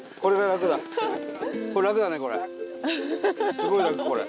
すごい楽これ。